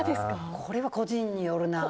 これは個人によるな。